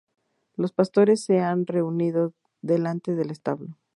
Los pastores se han reunido delante del establo.